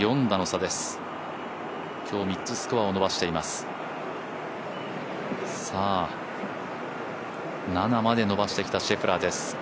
４打の差です、今日３つスコアを伸ばしています。